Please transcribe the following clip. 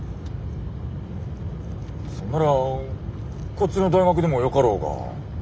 そんならこっちの大学でもよかろうが。